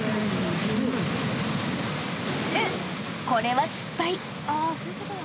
［これは失敗］